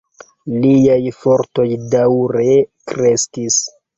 Liaj fortoj daŭre kreskis.